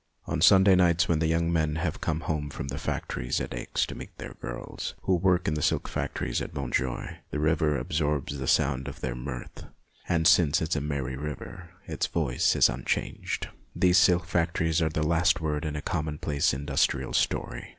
On Sunday nights, when the young men 16 241 242 MONOLOGUES have come home from the factories at Aix to meet their girls, who work in the silk factories at Montjoie, the river absorbs the sound of their mirth, and, since it is a merry river, its voice is unchanged. These silk factories are the last word in a commonplace industrial story.